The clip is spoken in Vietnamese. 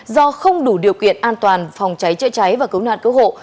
do không đủ điều kiện an toàn phòng cháy chế cháy và cấu nạn cơ hộ